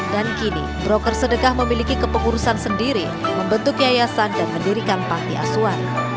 dan kini broker sedekah memiliki kepengurusan sendiri membentuk yayasan dan mendirikan pakti asuan